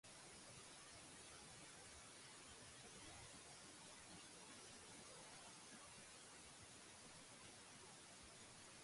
This pic has a lean, tough surface wrapped around a nucleus of explosive violence.